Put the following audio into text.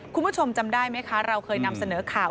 คุณผู้ชมจำได้ไหมคะเราเคยนำเสนอข่าว